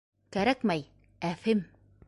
Кәрәкмәй, әфем!